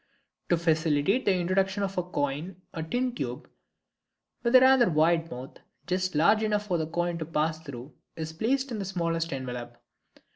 To facilitate the introduction of the coin a tin tube, with a rather wide mouth, just large enough for the coin to pass through, is placed in the smallest envelope.